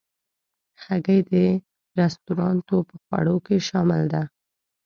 هګۍ د رستورانتو په خوړو کې شامل ده.